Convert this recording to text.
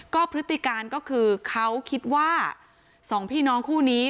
ก็พฤติการก็คือเขาคิดว่าสองพี่น้องคู่นี้